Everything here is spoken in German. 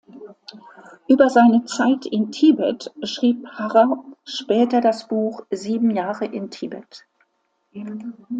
Über seine Zeit in Tibet schrieb Harrer später das Buch „Sieben Jahre in Tibet“.